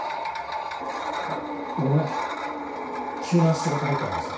ごめん急な仕事入ったからさ。